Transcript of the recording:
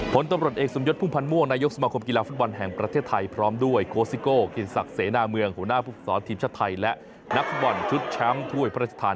ผลตรวจเอกสมยจพุ่มพันธ์ม่วงยกสมาคมกีฬาฝุ่ตบอลแห่งประเทศไทย